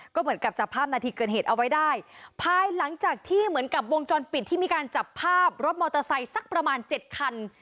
ก็เหมือนกับจับภาพนาทีเกิดเหตุเอาไว้ได้ภายหลังจากที่เหมือนกับวงจรปิดที่มีการจับภาพรถมอเตอร์ไซค์สักประมาณเจ็ดคัน